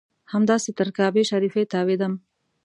همداسې تر کعبې شریفې تاوېدم.